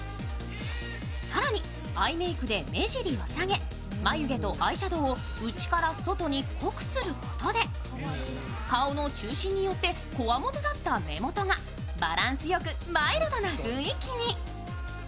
更に、アイメークで目尻を下げまゆ毛とアイシャドウを内から外に濃くすることで顔の中心に寄ってこわもてだった目元がバランスよくマイルドな雰囲気に。